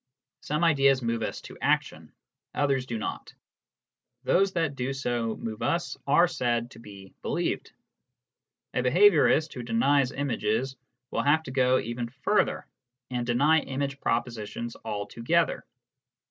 Some ideas move us to action, others do not; those that do so move us are said to be " believed." A behaviourist who denies images will have to go even further, and deny image propositions altogether.